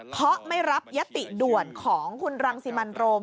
เพราะไม่รับยติด่วนของคุณรังสิมันโรม